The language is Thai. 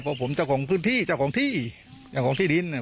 เพราะผมเจ้าของพื้นที่เจ้าของที่เจ้าของที่ดินเนี่ย